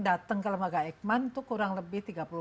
datang ke lembaga eijkman itu kurang lebih